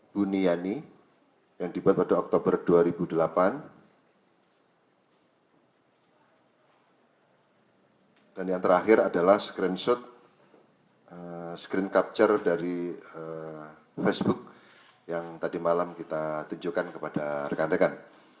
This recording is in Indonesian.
dan yang terakhir adalah screenshot screen capture dari facebook yang tadi malam kita tunjukkan kepada rekan rekan